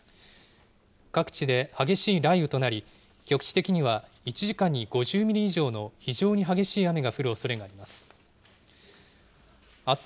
各地で激しい雷雨となり、局地的には１時間に５０ミリ以上の非常に激しい雨が降るおそれがあります。